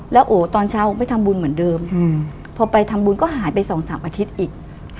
แล้วโอตอนเช้าไปทำบุญเหมือนเดิมพอไปทำบุญก็หายไป๒๓อาทิตย์อีก